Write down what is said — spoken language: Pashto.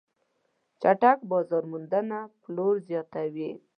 چټک بازار موندنه پلور زیاتوي.